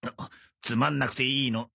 つまんなくていいの。